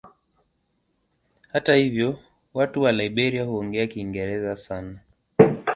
Hata hivyo watu wa Liberia huongea Kiingereza sana.